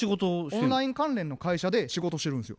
オンライン関連の会社で仕事してるんですよ。